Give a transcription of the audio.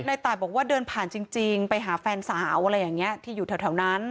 ตายบอกว่าเดินผ่านจริงไปหาแฟนสาวอะไรอย่างนี้ที่อยู่แถวนั้น